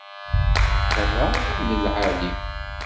D rray n lεali.